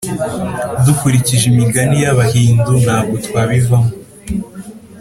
dukurikije imigani y’abahindu ntabwo twabivamo